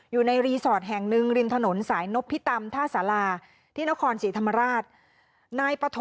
อยู่ในรีสอร์จแห่งนึงริมถนนสายเนอพพิตำท่าทราที่นครศิภรรราช